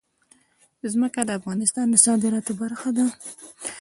ځمکه د افغانستان د صادراتو برخه ده.